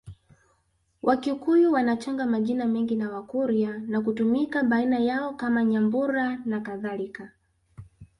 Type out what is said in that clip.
Wakikuyu wanachanga majina mengi na Wakurya na kutumika baina yao kama Nyambura nakadhalika